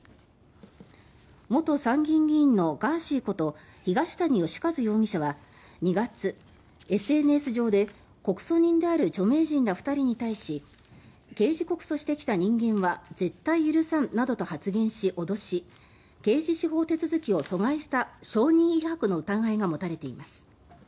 元参議院議員のガーシーこと東谷義和容疑者は２月ＳＮＳ上で告訴人である著名人ら２人に対し刑事告訴してきた人間は絶対許さんなどと発言し、脅し刑事司法手続きを阻害した証人威迫の疑いが持たれています。